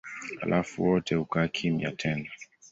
Halafu wote hukaa kimya tena.